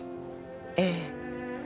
ええ。